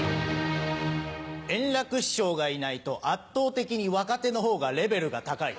円楽師匠がいないと圧倒的に若手のほうがレベルが高い。